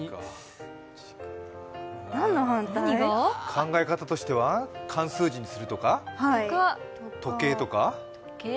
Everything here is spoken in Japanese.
考え方としては、漢数字にするとか時計とか？